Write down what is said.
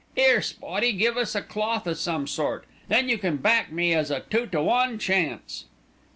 'Ere, Spotty, give us a cloth o' some sort, then you can back me as a two to one chance."